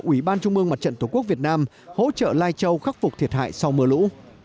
ủy ban trung mương mặt trận tổ quốc việt nam hỗ trợ lai châu khắc phục thiệt hại sau mưa lũ